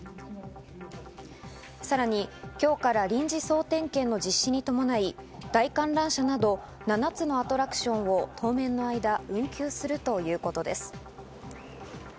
さらに今日から臨時総点検の実施に伴い、大観覧車など７つのアトラクションを当面の間、運休するということです。